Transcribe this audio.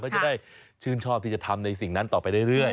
ก็จะได้ชื่นชอบที่จะทำในสิ่งนั้นต่อไปเรื่อย